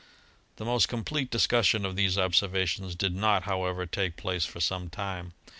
The most complete discussion of these observations did not, however, take place for some time.